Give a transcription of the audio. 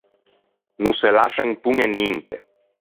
No se lascian impoñe ninte.